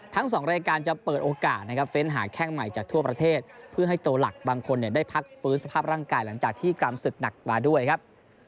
๒รายการจะเปิดโอกาสนะครับเฟ้นหาแข้งใหม่จากทั่วประเทศเพื่อให้ตัวหลักบางคนได้พักฟื้นสภาพร่างกายหลังจากที่กรรมศึกหนักกว่าด้วยครับ